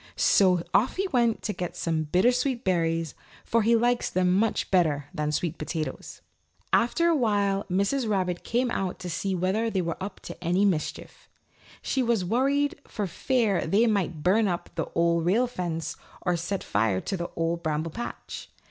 So off he went to get some bittersweet berries, for he likes them much better than sweet potatoes. After a while Mrs. Rabbit came out to see whether they were up to any mischief. She was worried for fear they might burn up the Old Rail Fence or set fire to the Old Bramble Patch.